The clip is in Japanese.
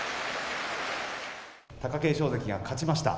貴景勝関が勝ちました。